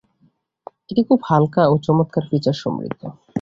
এটি খুব হালকা ও চমৎকার ফিচার সমৃদ্ধ।